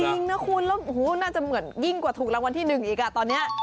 จริงนะคุณแล้วน่าจะเหมือนยิ่งกว่าถูกรางวัลที่๑อีกอ่ะตอนนี้